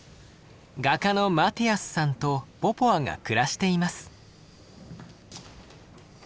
画家のマティアスさんとポポワが暮らしています。